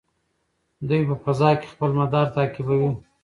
دوی په فضا کې خپل مدار تعقیبوي.